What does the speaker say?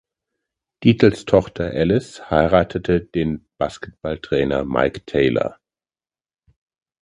Dietls Tochter Alice heiratete den Basketballtrainer Mike Taylor.